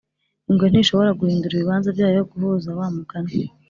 ingwe ntishobora guhindura ibibanza byayo guhuza wa mugani